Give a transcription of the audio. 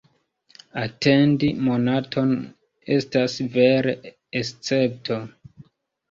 Atendi monaton estas vere escepto!